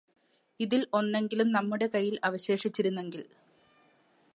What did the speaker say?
അതിൽ ഒന്നെങ്കിലും നമ്മുടെ കയ്യില് അവശേഷിച്ചിരുന്നെങ്കിൽ